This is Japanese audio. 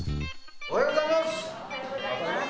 おはようございます！